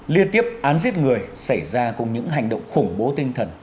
liên tiếp án giết người xảy ra cùng những hành động khủng bố tinh thần